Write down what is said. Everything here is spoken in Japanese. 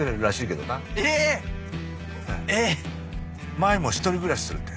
麻衣も１人暮らしするって。